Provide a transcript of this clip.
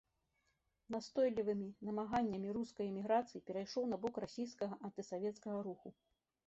Настойлівымі намаганнямі рускай эміграцыі перайшоў на бок расійскага антысавецкага руху.